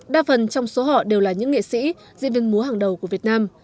đa phần trong số họ đều là những nghệ sĩ diễn viên múa hàng đầu của việt nam